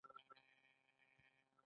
لوگر د افغان کلتور په داستانونو کې راځي.